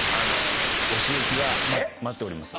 お仕置きが待っております。